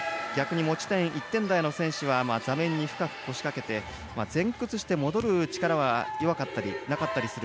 １点台の選手は座面に深く腰掛けて前屈して戻る力は弱かったりなかったりする。